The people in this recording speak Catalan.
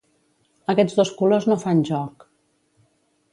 Aquests dos colors no fan joc.